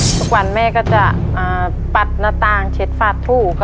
ทุกวันแม่ก็จะปัดหน้าต่างที่นี่นะครับ